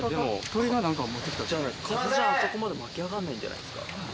鳥が何か持って来た？風じゃあそこまで巻き上がんないんじゃないですか。